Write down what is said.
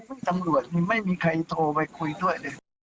ไม่ตำรวจไม่มีใครโทรไปคุยด้วย